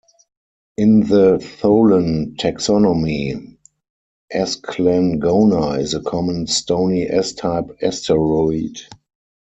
In the Tholen taxonomy, "Esclangona" is a common stony S-type asteroid.